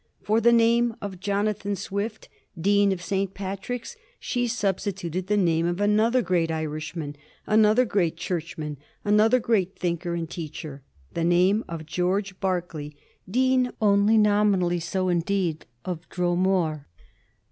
For the name of Jonathan Swift, Dean of St. Patrick's, she substituted the name of another great Irishman, another great Churchman, another great think er and teacher, the name of George Berkeley, Dean — only nominally so, indeed — of Dromore.